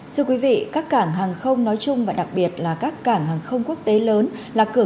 thưa quý vị các cảng hàng không nói chung và đặc biệt là các cảng hàng không quốc tế lớn là cửa